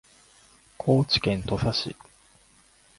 高知県土佐市